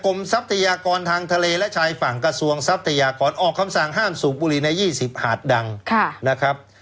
ทรัพยากรทางทะเลและชายฝั่งกระทรวงทรัพยากรออกคำสั่งห้ามสูบบุหรี่ใน๒๐หาดดังนะครับ